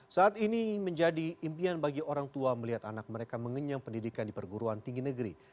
saat ini menjadi impian bagi orang tua melihat anak mereka mengenyam pendidikan di perguruan tinggi negeri